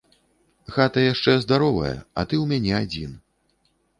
Хата яшчэ здаровая, а ты ў мяне адзін.